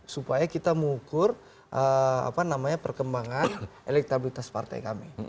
supaya kita mengukur perkembangan elektabilitas partai kami